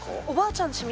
おばあちゃん